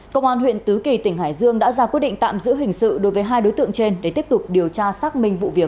công an huyện tứ kỳ tỉnh hải dương đã ra quyết định tạm giữ hình sự đối với hai đối tượng trên để tiếp tục điều tra xác minh vụ việc